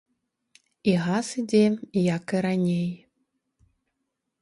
І газ ідзе як і раней.